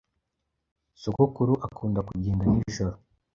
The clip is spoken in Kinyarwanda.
Sogokuru akunda kugenda nijoro.